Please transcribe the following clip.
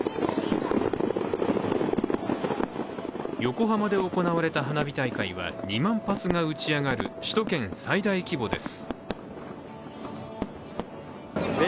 横浜で行われた花火大会は２万発が打ち上がる、首都圏最大規模です。